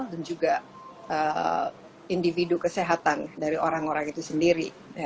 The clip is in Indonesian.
dan juga individu kesehatan dari orang orang itu sendiri